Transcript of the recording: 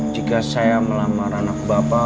jika saya melamar anak bapak